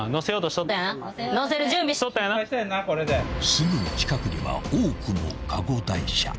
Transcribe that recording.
［すぐ近くには多くのカゴ台車］